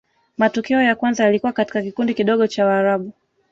matukio ya kwanza yalikuwa katika kikundi kidogo cha warabu